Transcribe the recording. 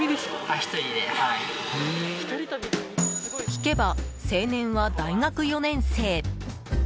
聞けば、青年は大学４年生。